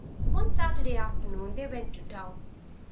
One Saturday afternoon they went to town.